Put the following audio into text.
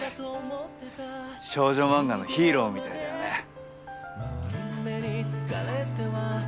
少女漫画のヒーローみたいだよね。